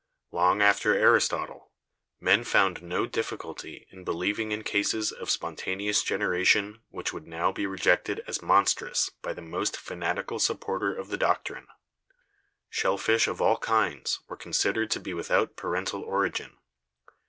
Long after Aristotle, men found no difficulty in believing in cases of spontaneous generation which would now be rejected as monstrous by the most fanatical supporter of the doctrine. Shell fish of all kinds were considered to be without parental origin.